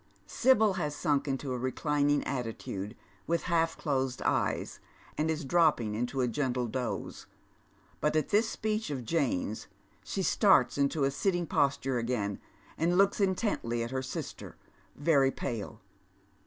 Sibyl has sunk into a reclining attitude, with half closed eyes, and is dropping into a gentle doze, but at this speech of Jane's ehe starts into a sitting posture again, and looks intently at hei Bister, very pale.